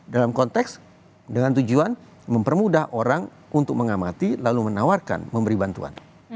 dalam konteks dengan tujuan mempermudah orang untuk mengamati lalu menawarkan memberi bantuan